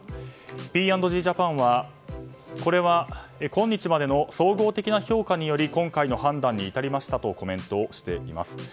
Ｐ＆Ｇジャパンは、これは今日までの総合的な評価により今回の判断に至りましたとコメントしています。